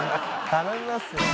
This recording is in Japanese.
頼みますよ。